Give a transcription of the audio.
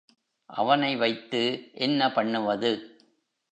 அவனை வைத்து என்ன பண்ணுவது?